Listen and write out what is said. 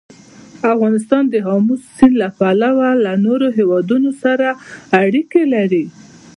افغانستان د آمو سیند له پلوه له نورو هېوادونو سره اړیکې لري.